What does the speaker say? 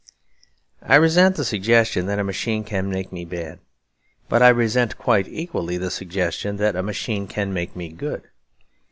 I resent the suggestion that a machine can make me bad. But I resent quite equally the suggestion that a machine can make me good.